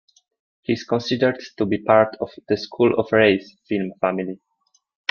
He is considered to be part of "The School of Reis" film family.